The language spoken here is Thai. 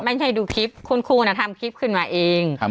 ไม่ใช่ดูคลิปคุณครูทำคลิปขึ้นมาเอง